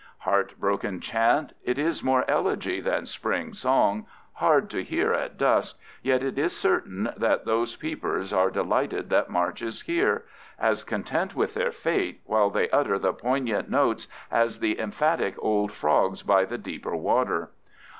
Heartbroken chant, it is more elegy than spring song, hard to hear at dusk, yet it is certain that those peepers are delighted that March is here—as content with their fate, while they utter the poignant notes, as the emphatic old frogs by the deeper water.